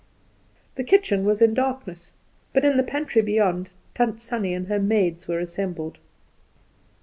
The kitchen was in darkness, but in the pantry beyond Tant Sannie and her maids were assembled.